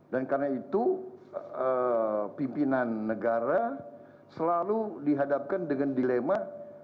dan karena itu pimpinan negara selalu dihadapkan dengan dilema